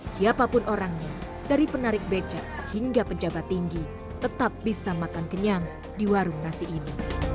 siapapun orangnya dari penarik becak hingga pejabat tinggi tetap bisa makan kenyang di warung nasi ini